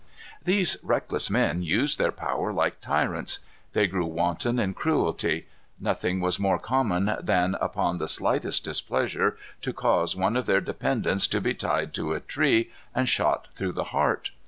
These reckless men used their power like tyrants. They grew wanton in cruelty. Nothing was more common than, upon the slightest displeasure, to cause one of their dependants to be tied to a tree and shot through the heart.